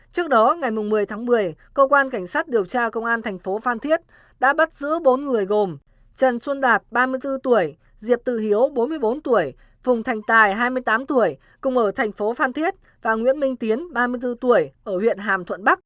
trước đó ngày một mươi tháng một mươi cơ quan cảnh sát điều tra công an thành phố phan thiết đã bắt giữ bốn người gồm trần xuân đạt ba mươi bốn tuổi diệp tư hiếu bốn mươi bốn tuổi phùng thành tài hai mươi tám tuổi cùng ở thành phố phan thiết và nguyễn minh tiến ba mươi bốn tuổi ở huyện hàm thuận bắc